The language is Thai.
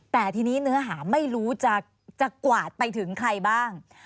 แต่ทีนี้เนื้อหาไม่รู้จะกวาดไปถึงใครบ้าง